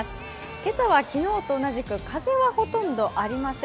今朝は昨日と同じく風はほとんどありません。